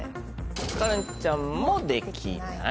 カレンちゃんも「できない」。